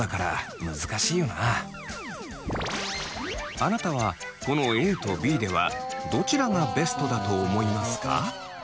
あなたはこのＡとＢではどちらがベストだと思いますか？